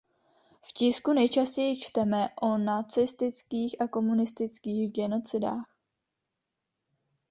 V tisku nejčastěji čteme o nacistických a komunistických genocidách.